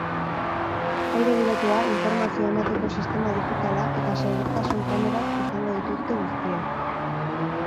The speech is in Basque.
Aire girotua, informazioa emateko sistema digitala eta segurtasun kamerak izango dituzte guztiek.